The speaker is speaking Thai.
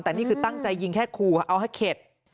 แต่นี่คือตั้งใจยิงแค่ขู่เอาให้เข็ด